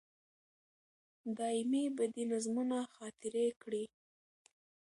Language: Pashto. دایمي به دي نظمونه خاطرې کړي